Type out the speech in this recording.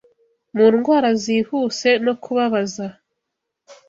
Mu ndwara zihuse no kubabaza